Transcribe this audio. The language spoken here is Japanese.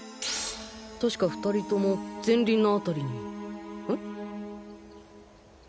確か２人とも前輪の辺りにん？